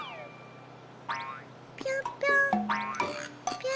ぴょんぴょん！